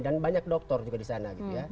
dan banyak dokter juga di sana